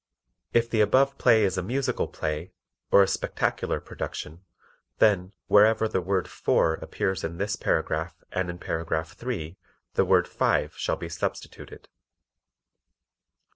If the above play is a musical play, or a spectacular production, then, wherever the word "Four" appears in this paragraph and in paragraph three the word "Five" shall be substituted.